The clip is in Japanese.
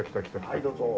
はいどうぞ。